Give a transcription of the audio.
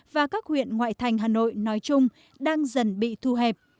và các huyện ngoại thành hà nội nói chung đang dần bị thu hẹp